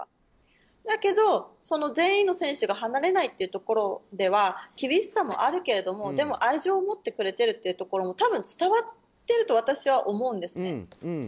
だけど、全員の選手が離れないというところでは厳しさもあるけれどもでも、愛情を持ってくれてるというところも多分伝わっていると私は思うんですね。